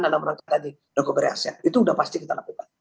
dalam rangka tadi recovery asean itu sudah pasti kita lakukan